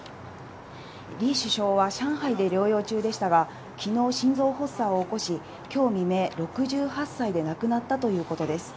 李首相は上海で療養中でしたが、きのう、心臓発作を起こし、きょう未明、６８歳で亡くなったということです。